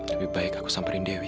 lebih baik aku samperin dewi